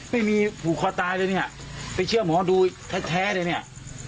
ไม่มีผูกคอตายเลยเนี่ยไปเชื่อหมอดูแท้เลยเนี่ย